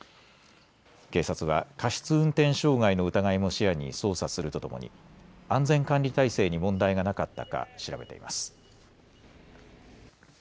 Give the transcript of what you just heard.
警察は過失運転傷害の疑いも視野に捜査するとともに安全管理体制に問題がなかったか調べています。